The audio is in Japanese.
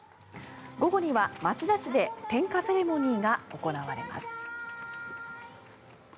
午後には町田市で点火セレモニーが行われます。